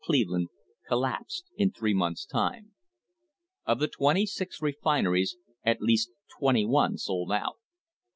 Cleveland collapsed 1 three months' time. Of the twenty six refineries, at least venty one sold out.